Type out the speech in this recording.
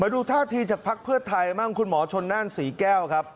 ดูท่าทีจากพักเพื่อไทยบ้างคุณหมอชนนั่นศรีแก้วครับ